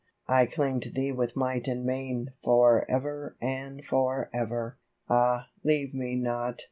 I cling to thee with might and main, For ever and for ever \ Ah, leave me not